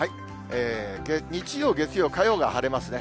日曜、月曜、火曜が晴れますね。